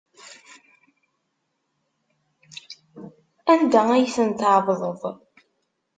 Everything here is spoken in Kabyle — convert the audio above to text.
Anda ay ten-tɛebdeḍ?